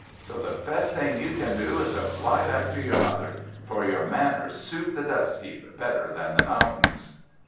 So the best thing you can do is to fly back to your mother; for your manners suit the dust heap better than the mountains."